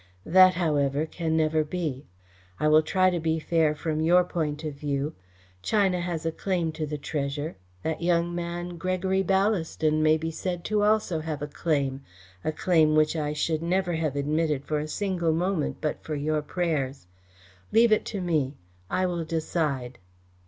That, however, can never be. I will try to be fair from your point of view. China has a claim to the treasure. That young man, Gregory Ballaston, may be said to also have a claim a claim which I should never have admitted for a single moment but for your prayers. Leave it to me. I will decide."